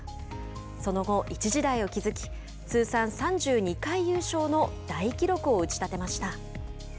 その後、一時代を築き通算３２回優勝の大記録を打ち立てました。